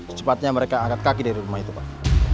secepatnya mereka angkat kaki dari rumah itu pak